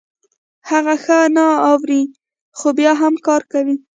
هغه ښه نه اوري خو بيا هم کار کوي.